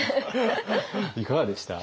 いかがでした？